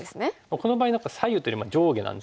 この場合何か左右というよりも上下なんですけど。